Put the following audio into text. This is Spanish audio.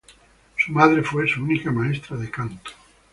Su madre fue su única maestra de canto.